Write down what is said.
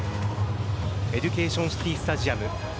エデュケーションシティースタジアム